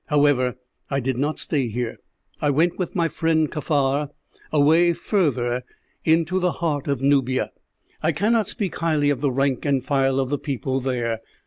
However, I did not stay here. I went with my friend Kaffar away further into the heart of Nubia. "I cannot speak highly of the rank and file of the people there.